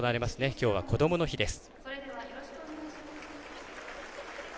きょうはこどもの日です。